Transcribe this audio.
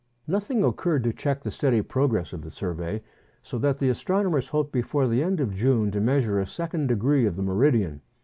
Nothing occurred to check the steady progress of the survey, so that the astronomers hoped before the end of June to measure a second degree of the meridian.